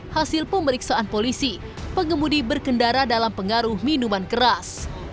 hasil pemeriksaan polisi pengemudi berkendara dalam pengaruh minuman keras